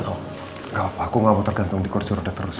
gak apa apa aku gak mau tergantung di kursi roda terus